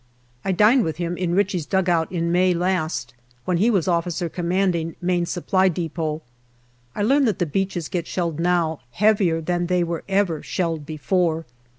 I dined with him in Ritchie's dugout in May last, when he was O.C. Main Supply depot. I learn that the beaches DECEMBER 303 get shelled now heavier than they were ever shelled before.